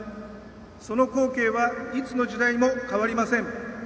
その光景はいつの時代も変わりません。